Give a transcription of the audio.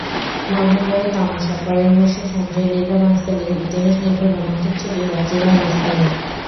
নভেম্বরে তামাশা, পরের মাসে সঞ্জয়লীলা বানশালির ইতিহাসনির্ভর রোমান্টিক ছবি বাজিরাও মাস্তানি।